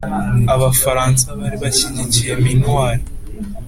abafaransa bari bashyigikiye minuar